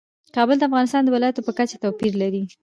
کابل د افغانستان د ولایاتو په کچه توپیر لري.